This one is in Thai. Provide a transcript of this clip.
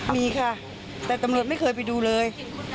มีค่ะแต่ตำรวจไม่เคยไปดูเลย